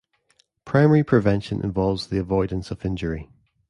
Primary prevention involves the avoidance of injury.